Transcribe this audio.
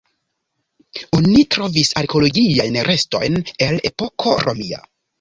Oni trovis arkeologiajn restojn el epoko romia.